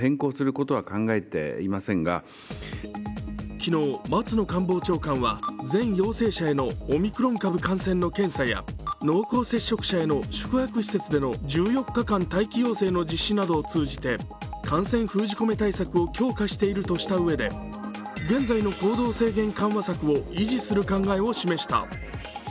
昨日、松野官房長官は全陽性者へのオミクロン株感染の検査や濃厚接触者への宿泊施設での１４日間待機要請の実施などを通じて感染封じ込め対策を強化しているとしたうえで現在の行動制限緩和策を維持する考えを示した。